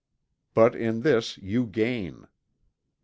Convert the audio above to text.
But in this you gain.